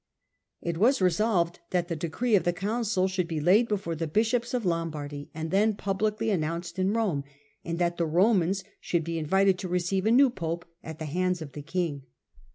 ' It was resolved that the decree of the council should be laid before the bishops of Lombardy, and then publicly announced in Rome, and that the Romans should be invited to receive a new pope at the hands of the king.